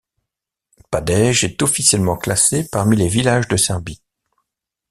Padej est officiellement classé parmi les villages de Serbie.